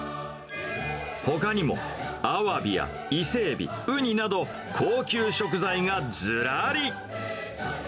ほかにも、アワビや伊勢エビ、ウニなど、高級食材がずらり。